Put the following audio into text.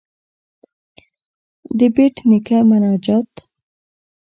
ددبېټ نيکه مناجات.